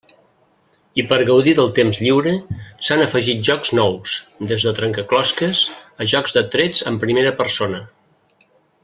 I per gaudir del temps lliure s'han afegit jocs nous, des de trencaclosques a jocs de trets en primera persona.